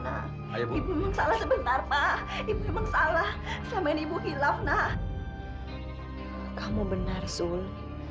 aku lama sudah takut akan selalu